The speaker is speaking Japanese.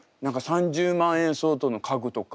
３０万円相当の家具とか。